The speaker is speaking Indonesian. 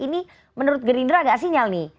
ini menurut gerindra nggak sinyal nih